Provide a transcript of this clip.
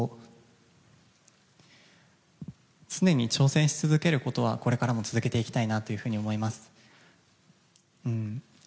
常に挑戦し続けることはこれからも続けていきたいなと思います。